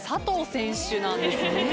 選手なんですね。